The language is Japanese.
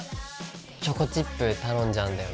チョコチップ頼んじゃうんだよね。